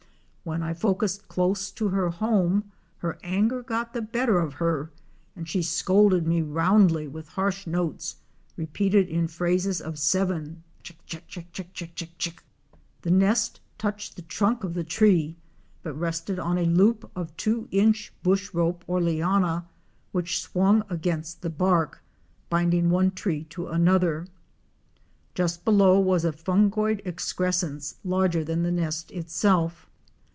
When I focussed close to her home, her anger got the better of her and she scolded me roundly with harsh notes, repeated in phrases of seven, chack chack chack chack chack chack chack! The nest touched the trunk of the tree, but rested on a loop of a two inch bush rope or liana, which swung against Fic. 132. NEST AND Eccs or WHITE THROATED ROBIN. the bark, binding one tree to another. Just below was a fungoid excrescence larger than the nest itself.